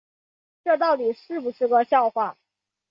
这到底是不是个笑话